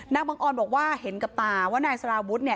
บังออนบอกว่าเห็นกับตาว่านายสารวุฒิเนี่ย